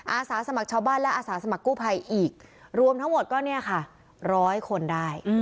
อาสาสมัครชาวบ้านและอาสาสมัครกู้ภัยอีกรวมทั้งหมดก็เนี่ยค่ะร้อยคนได้